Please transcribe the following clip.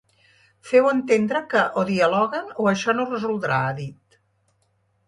Feu entendre que o dialoguen o això no es resoldrà, ha dit.